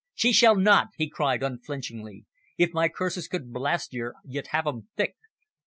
"She shall not!" he cried, unflinchingly. "If my curses could blast yer you'd have 'em thick."